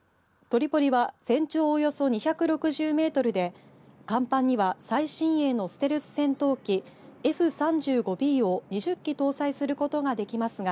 トリポリは全長およそ２６０メートルで甲板には最新鋭のステルス戦闘機Ｆ３５Ｂを２０機搭載することができますが